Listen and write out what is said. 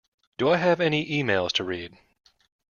Do I have any emails to read?